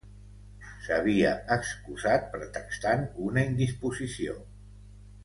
S'havia excusat pretextant una indisposició.